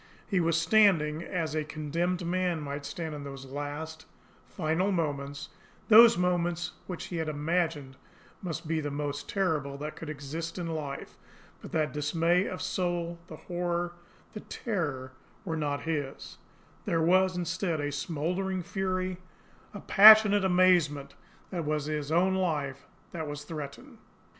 He was standing as a condemned man might stand in those last, final moments, those moments which he had imagined must be the most terrible that could exist in life; but that dismay of soul, the horror, the terror were not his there was, instead, a smouldering fury, a passionate amazement that it was his own life that was threatened.